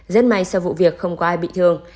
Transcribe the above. rất may sau vụ việc không có ai bị thương